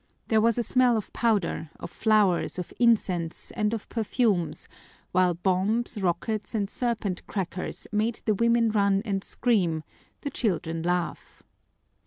There was a smell of powder, of flowers, of incense, and of perfumes, while bombs, rockets, and serpent crackers made the women run and scream, the children laugh.